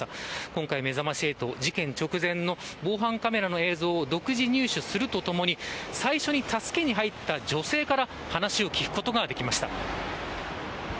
今回、めざまし８事件直前の防犯カメラの映像を独自入手するとともに最初に助けに入った女性から話を聞くことができました。